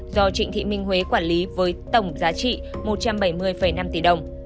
do trịnh thị minh huế quản lý với tổng giá trị một trăm bảy mươi năm tỷ đồng